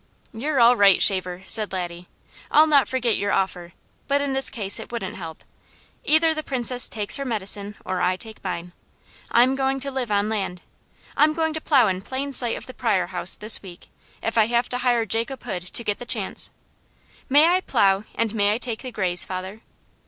"You're all right, shaver," said Laddie. "I'll not forget your offer; but in this case it wouldn't help. Either the Princess takes her medicine or I take mine. I'm going to live on land: I'm going to plow in plain sight of the Pryor house this week, if I have to hire to Jacob Hood to get the chance. May I plow, and may I take the grays, father?"